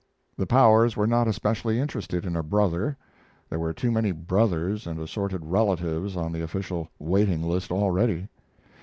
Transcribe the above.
The powers were not especially interested in a brother; there were too many brothers and assorted relatives on the official waiting list already.